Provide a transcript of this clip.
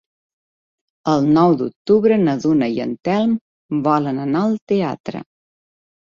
El nou d'octubre na Duna i en Telm volen anar al teatre.